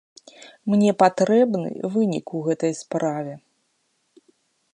Мне патрэбны вынік у гэтай справе.